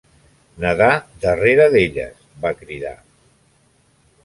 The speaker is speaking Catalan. "Nedar darrere d'elles", va cridar.